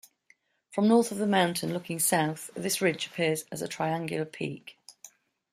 From north of the mountain, looking south, this ridge appears as a triangular peak.